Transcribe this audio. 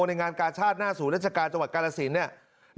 ในงานการชาติหน้าสู่รัฐกาลจังหวัดการณ์ศิลป์